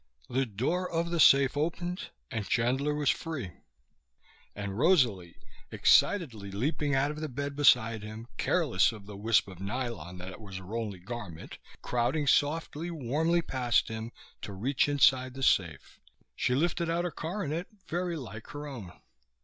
The door of the safe opened. And Chandler was free, and Rosalie excitedly leaping out of the bed behind him, careless of the wisp of nylon that was her only garment, crowding softly, warmly past him to reach inside the safe. She lifted out a coronet very like her own.